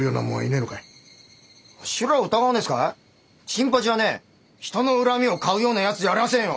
新八はね人の恨みを買うようなやつじゃありやせんよ！